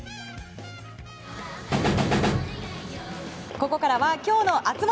ここからは、きょうの熱盛。